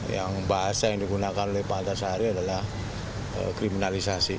yang bahasa yang digunakan oleh pak antasari adalah kriminalisasi